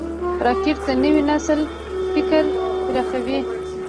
راکټ د نوي نسل فکر پراخوي